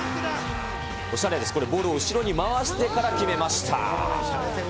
おしゃれです、これ、ボールを後ろに回してから決めました。